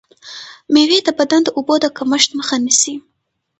مېوې د بدن د اوبو د کمښت مخه نیسي.